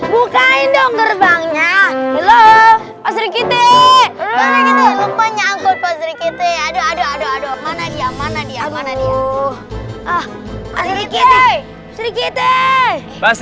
bukain dong gerbangnya